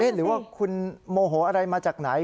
หรือว่าคุณโมโหอะไรมาจากไหน